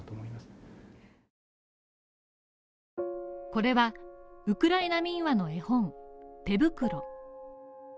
これは、ウクライナ民話の絵本「てぶくろ」。